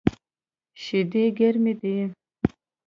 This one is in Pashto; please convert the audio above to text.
شیدې ګرمی دی